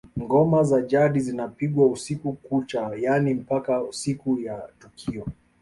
Ngoma za jadi zinapigwa usiku kucha yaani mpaka siku ya tukio